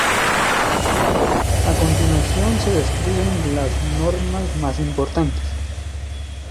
A continuación se describen las normas más importantes.